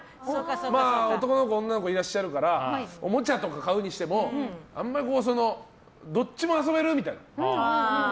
男の子、女の子いらっしゃるからおもちゃとか買うにしてもあんまりどっちも遊べるみたいな。